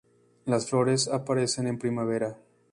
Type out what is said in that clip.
Las flores aparecen en primavera.